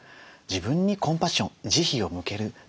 自分にコンパッション慈悲を向けるですね。